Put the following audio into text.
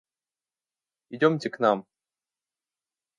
Идемте к нам!